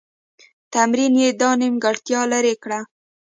تمرین یې دا نیمګړتیا لیري کړه.